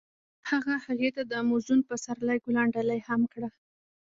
هغه هغې ته د موزون پسرلی ګلان ډالۍ هم کړل.